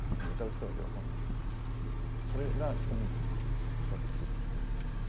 歌う人が喜んでそれが人にも伝わってくって。